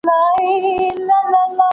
سپمولي، سپو خوړلي.